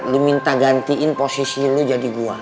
lu minta gantiin posisi lu jadi gua